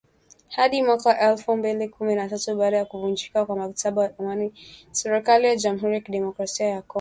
Hadi mwaka elfu mbili kumi na tatu baada ya kuvunjika kwa mkataba wa amani na serikali ya Jamhuri ya Kidemokrasia ya Kongo.